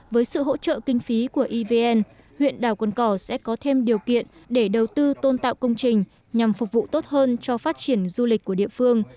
với sự hỗ trợ kinh phí của evn huyện đảo cồn cỏ sẽ có thêm điều kiện để đầu tư tôn tạo công trình nhằm phục vụ tốt hơn cho phát triển du lịch của địa phương